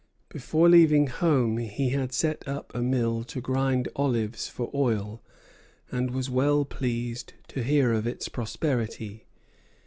Before leaving home he had set up a mill to grind olives for oil, and was well pleased to hear of its prosperity.